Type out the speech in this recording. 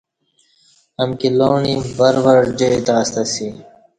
امکی لوݨے ور ور جائی ستہ اسی